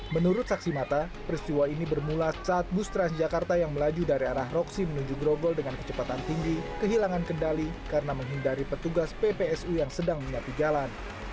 menurut saksi mata peristiwa ini bermula saat bus transjakarta yang melaju dari arah roksi menuju grogol dengan kecepatan tinggi kehilangan kendali karena menghindari petugas ppsu yang sedang menyapi jalan